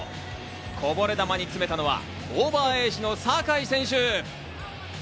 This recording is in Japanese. こぼれ球に詰めたのは、オーバーエイジの酒井選手。